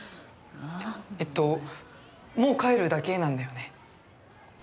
えっともう帰るだけなんだよね？